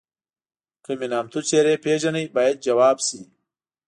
کومې نامتو څېرې پیژنئ باید ځواب شي.